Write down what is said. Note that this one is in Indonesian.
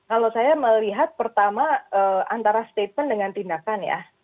kalau saya melihat pertama antara statement dengan tindakan ya